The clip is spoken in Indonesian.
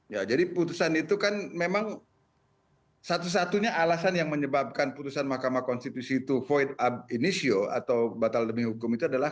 ya jadi putusan itu kan memang satu satunya alasan yang menyebabkan putusan mahkamah konstitusi itu void up initio atau batal demi hukum itu adalah